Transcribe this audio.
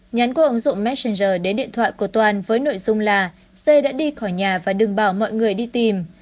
nhắn qua ứng dụng messenger đến điện thoại của toàn với nội dung là xây đã đi khỏi nhà và đừng bảo mọi người đi tìm